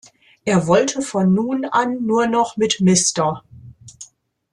Er wollte von nun an nur noch mit "Mr.